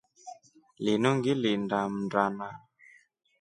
Linu ngilinda mndana.